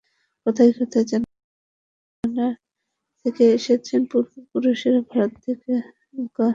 কথায় কথায় জানালেন, তিনি গায়ানা থেকে এসেছেন, পূর্বপুরুষেরা ভারত থেকে গায়ানায় এসেছিলেন।